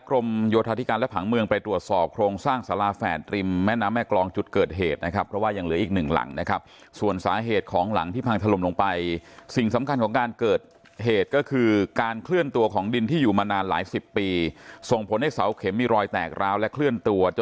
ขอบคุณให้น้องไปสบายนะคะ